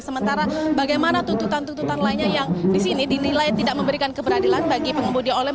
sementara bagaimana tuntutan tuntutan lainnya yang disini dinilai tidak memberikan keberadilan bagi pengemudi online